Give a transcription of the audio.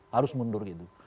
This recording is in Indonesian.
harus mundur gitu